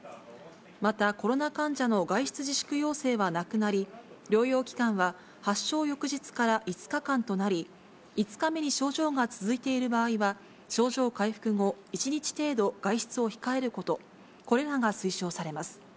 また、コロナ患者の外出自粛要請はなくなり、療養期間は発症翌日から５日間となり、５日目に症状が続いている場合は、症状回復後１日程度、外出を控えること、これらが推奨されます。